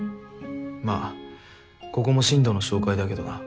まあここも進藤の紹介だけどな。